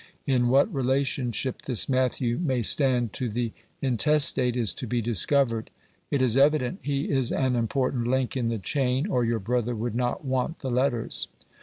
In what relationship this Matthew may stand to the intestate is to be discovered. It is evident he is an important link in the chain, or your brother would not want the letters.